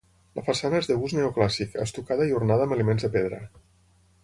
La façana és de gust neoclàssic, estucada i ornada amb elements de pedra.